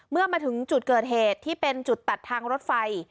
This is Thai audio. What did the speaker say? เมื่อมาถึงจุดเกิดเหตุที่เป็นจุดตัดทางรถไฟ